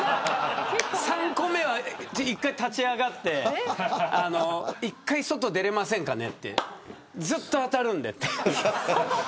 ３個目は１回立ち上がって１回、外出れませんかねってずっと当たるんでって。